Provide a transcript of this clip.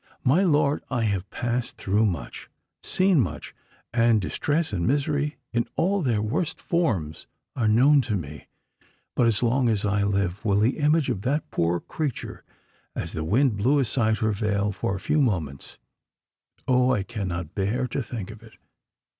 My lord, I have passed through much—seen much,—and distress and misery in all their worst forms are known to me. But as long as I live will the image of that poor creature, as the wind blew aside her veil for few moments——Oh! I cannot bear to think of it!"